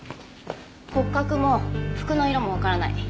骨格も服の色もわからない。